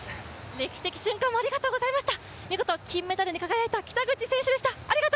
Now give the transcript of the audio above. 歴史的瞬間をありがとうございました。